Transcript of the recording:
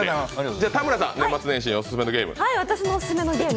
じゃ田村さん、年末年始オススメのゲーム。